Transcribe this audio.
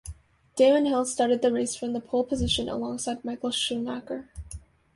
Damon Hill started the race from the pole position alongside Michael Schumacher.